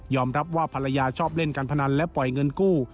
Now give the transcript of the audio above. รับว่าภรรยาชอบเล่นการพนันและปล่อยเงินกู้